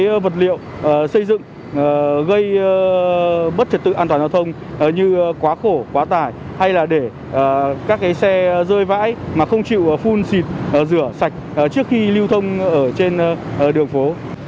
đối với các vật liệu xây dựng gây bất thiệt tự an toàn giao thông như quá khổ quá tải hay là để các xe rơi vãi mà không chịu phun xịt rửa sạch trước khi lưu thông trên đường phố